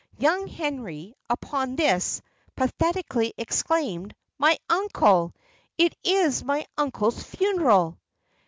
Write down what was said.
Young Henry, upon this, pathetically exclaimed, "My uncle! it is my uncle's funeral!"